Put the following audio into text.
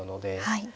はい。